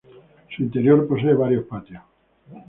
Su interior posee varios patios.